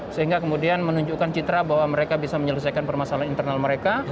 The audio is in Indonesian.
sehingga kemudian menunjukkan citra bahwa mereka bisa menyelesaikan permasalahan internal mereka